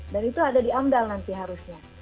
dan itu ada di andal nanti harusnya